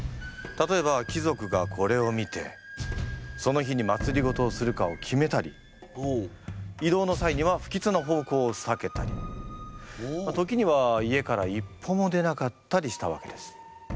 例えば貴族がこれを見てその日にまつりごとをするかを決めたり移動の際には不吉な方向をさけたり時には家から一歩も出なかったりしたわけです。